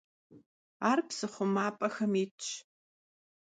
Ar psı xhumap'exem yitş.